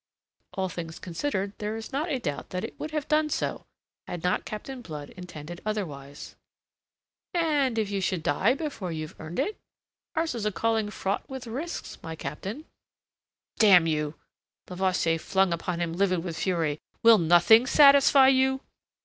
All things considered, there is not a doubt that it would have done so had not Captain Blood intended otherwise. "And if you should die before you have earned it? Ours is a calling fraught with risks, my Captain." "Damn you!" Levasseur flung upon him livid with fury. "Will nothing satisfy you?"